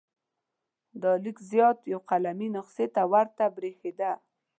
دا لیک زیات یوه قلمي نسخه ته ورته بریښېده.